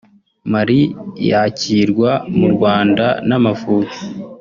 Mali yakirwa mu Rwanda n’Amavubi